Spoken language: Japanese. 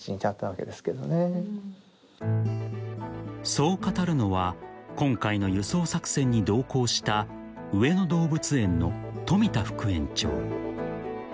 ［そう語るのは今回の輸送作戦に同行した上野動物園の冨田副園長］